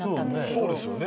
そうですよね。